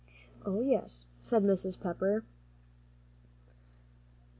"Oh, yes," said Mrs. Pepper.